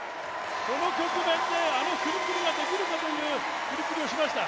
この局面であの振り切りができるかという振り切りをしました。